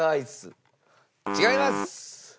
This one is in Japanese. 違います。